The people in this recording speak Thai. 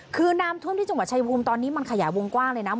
คือน้ำท่วมที่จังหวัดชายภูมิตอนนี้มันขยายวงกว้างเลยนะ